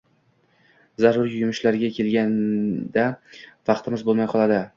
Zarur yumushlarga kelganda “vaqtimiz bo‘lmay” qoladi.